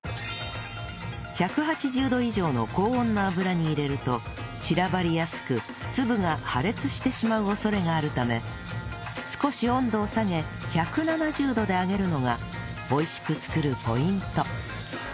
１８０度以上の高温の油に入れると散らばりやすく粒が破裂してしまう恐れがあるため少し温度を下げ１７０度で揚げるのが美味しく作るポイント